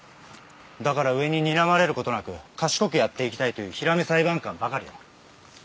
だから上ににらまれることなく賢くやっていきたいというヒラメ裁判官ばかりだ。